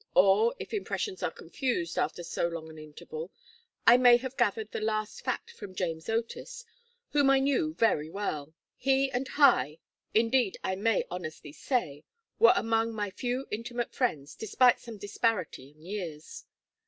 Or if impressions are confused after so long an interval I may have gathered the last fact from James Otis, whom I knew very well. He and Hi, indeed, I may honestly say, were among my few intimate friends, despite some disparity in years.